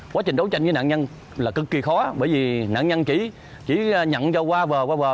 quá trình đấu tranh với nạn nhân là cực kỳ khó bởi vì nạn nhân chỉ nhận ra qua vờ qua bờ